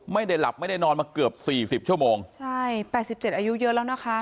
ไม่ได้หลับไม่ได้นอนก็เกือบ๔๐ชั่วโมงใช่๘๗อายุเยอะแล้วนะคะ